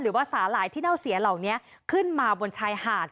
หรือว่าสาหร่ายที่เน่าเสียเหล่านี้ขึ้นมาบนชายหาด